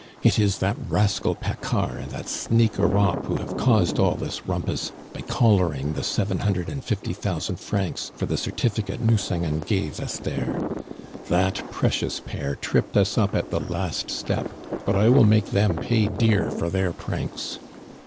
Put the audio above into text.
It is that rascal Paccard and that sneak Europe who have caused all this rumpus by collaring the seven hundred and fifty thousand francs for the certificate Nucingen gave Esther. That precious pair tripped us up at the last step; but I will make them pay dear for their pranks.